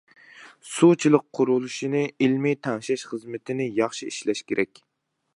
سۇچىلىق قۇرۇلۇشىنى ئىلمىي تەڭشەش خىزمىتىنى ياخشى ئىشلەش كېرەك.